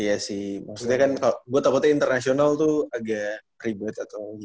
iya sih maksudnya kan buat buatnya internasional tuh agak ribet atau gimana ya sih